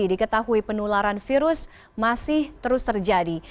diketahui penularan virus masih terus terjadi